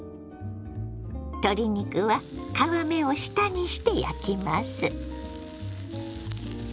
鶏肉は皮目を下にして焼きます。